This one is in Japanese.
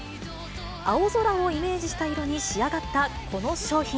青空をイメージした色に仕上がったこの商品。